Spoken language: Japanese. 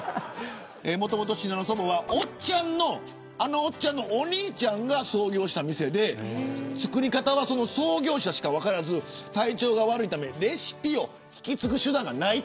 もともと信濃そばはあのおっちゃんのお兄ちゃんが創業したお店で作り方はその創業者しか分からず体調が悪いためレシピを引き継ぐ手段がない。